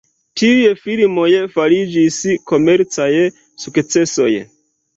Tiuj filmoj fariĝis komercaj sukcesoj.